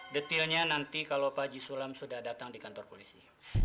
detilnya nanti kalau panji sulam sudah datang di kantor polisi